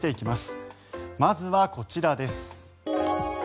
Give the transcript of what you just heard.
まずはこちらです。